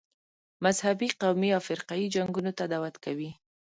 مذهبي، قومي او فرقه یي جنګونو ته دعوت کوي.